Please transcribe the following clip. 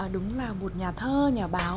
đúng là một nhà thơ nhà báo